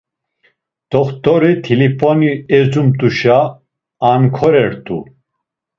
T̆oxt̆ori t̆ilifoni ezdumt̆uşa ankorert̆u.